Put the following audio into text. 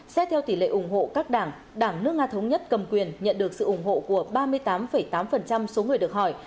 xét theo tỷ lệ ủng hộ các đảng đảng nước nga thống nhất cầm quyền nhận được sự ủng hộ của ba mươi tám tám số người được hỏi